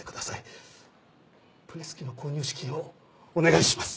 プレス機の購入資金をお願いします！